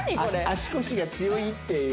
足腰が強いっていう。